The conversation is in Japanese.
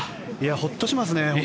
ホッとしますね。